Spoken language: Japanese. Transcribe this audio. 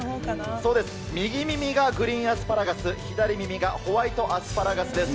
そうです、右耳がグリーンアスパラガス、左耳がホワイトアスパラガスです。